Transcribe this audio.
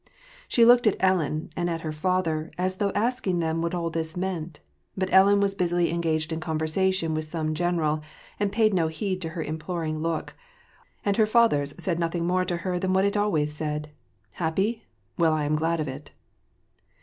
She looked at Ellen and at her father, as though asking them what this all meant ; but EUen was busily engaged in conversation with some general, and paid no heed to her imploring look, and her fathei^s said noth ing more to her than what it always said :" Happy ? Well, I am glad of it."